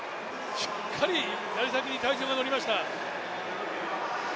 しっかりやり先に体重が乗りました。